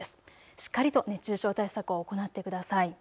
しっかりと熱中症対策を行ってください。